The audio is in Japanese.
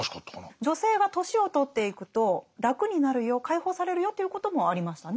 女性が年を取っていくと楽になるよ解放されるよということもありましたね